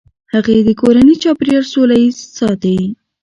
هغې د کورني چاپیریال سوله ایز ساتي.